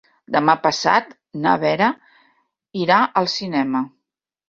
Demà passat na Vera irà al cinema.